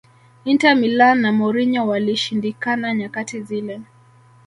Inter Milan na Mourinho walishindikana nyakati zile